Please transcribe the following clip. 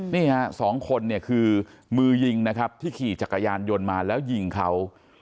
นี่๒คนคือมือยิงที่ขี่จักรยานยนต์มาแล้วยิงเขา